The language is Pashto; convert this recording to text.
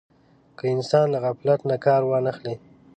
که انسان له غفلت نه کار وانه خلي.